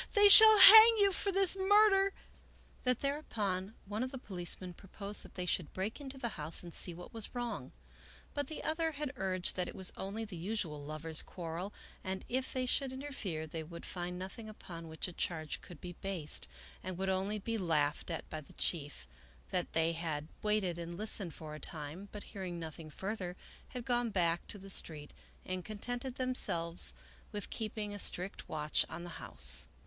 They shall hang you for this murder !" that thereupon one of the policemen proposed that they should break into the house and see what was wrong, but the other had urged that it was only the usual lovers' quar rel and if they should interfere they would find nothing upon which a charge could be based and would only be laughed at by the chief ; that they had waited and listened for a time, but hearing nothing further had gone back to the street and contented themselves with keeping a strict watch on the house.